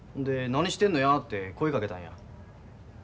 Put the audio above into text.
で「何してんのや」って声かけたんや。